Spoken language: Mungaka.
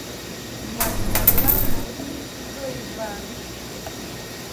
Mad ma lam mɨŋgwi bə iba.